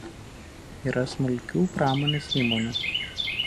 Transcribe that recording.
Yra smulkių pramonės įmonių.